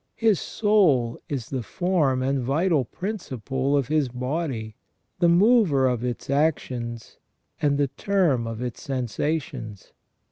His soul is the form and vital prin ciple of his body, the mover of its actions, and the term of its sensations.